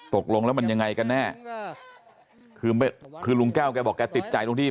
ตกลงแล้วมันยังไงกันแน่คือคือลุงแก้วแกบอกแกติดใจตรงที่